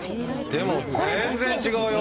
でも全然違うよ！